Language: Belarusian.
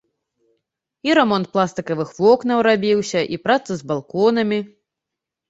І рамонт пластыкавых вокнаў рабіўся, і праца з балконамі.